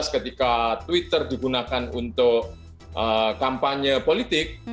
ketika twitter digunakan untuk kampanye politik